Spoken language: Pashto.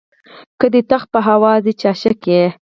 که دي تخت په هوا ځي چې عاشق یې.